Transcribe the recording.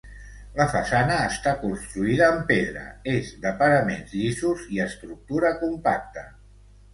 La façana està construïda amb pedra, és de paraments llisos i estructura compacte.